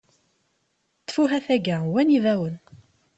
Ttfuh a taga, wwan ibawen!